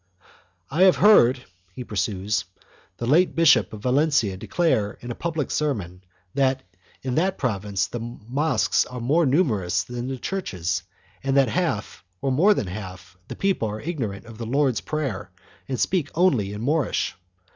"I have heard," he pursues, "the late Bishop of Valencia declare, in a public sermon, that in that province the mosques are more numerous than the churches and that half, or more than half, the people are ignorant of the Lord's prayer and speak only Moorish.